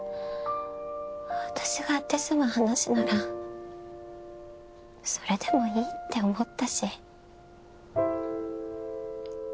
私がやって済む話ならそれでもいいって思ったし。